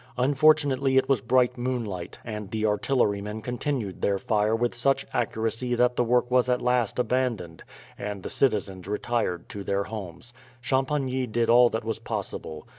Unfortunately it was bright moonlight, and the artillerymen continued their fire with such accuracy that the work was at last abandoned, and the citizens retired to their homes. Champagny did all that was possible.